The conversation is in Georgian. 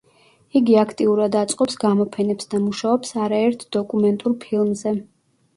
იგი აქტიურად აწყობს გამოფენებს და მუშაობს არაერთ დოკუმენტურ ფილმზე.